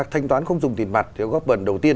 thanh toán không dùng tiền mặt theo góp phần đầu tiên